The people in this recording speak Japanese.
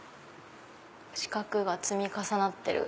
四角が積み重なってる。